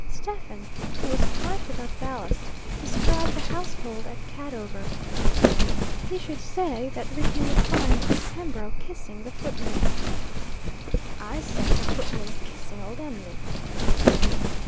Stephen, who was quite without ballast, described the household at Cadover: he should say that Rickie would find Miss Pembroke kissing the footman. "I say the footman's kissing old Em'ly."